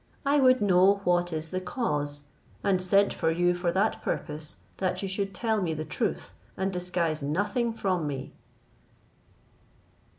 I would know what is the cause, and sent for you for that purpose, that you should tell me the truth, and disguise nothing from me."